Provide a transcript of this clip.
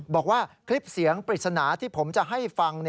บอกว่าคลิปเสียงปริศนาที่ผมจะให้ฟัง